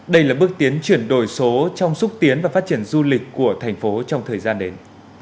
đây là bước tiến chuyển đổi số trong xúc tiến và phát triển du lịch của thành phố trong thời gian đến